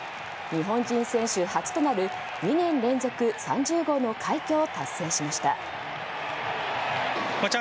日本人選手初となる２年連続３０号の快挙を達成しました。